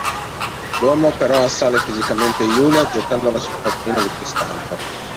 L'uomo però assale fisicamente Julia gettandola su un tavolino di cristallo.